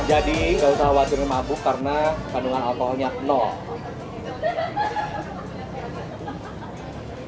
jadi nggak usah wajib mabuk karena kandungan alkoholnya nol